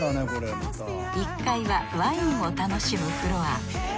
１階はワインを楽しむフロア。